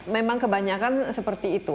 memang kebanyakan seperti itu